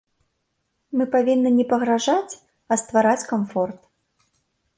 Мы павінны не пагражаць, а ствараць камфорт.